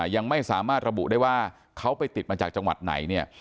ยังไม่สามารถระบุได้ว่าเขาไปติดมาจากจังหวัดไหนเนี่ย